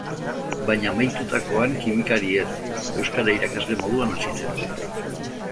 Baina amaitutakoan kimikari ez, euskara-irakasle moduan hasi zen.